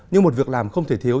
như một việc làm không thể thiếu